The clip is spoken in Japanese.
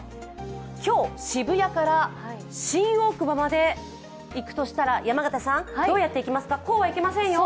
今日、渋谷から新大久保まで行くとしたら山形さん、どうやって行きますか？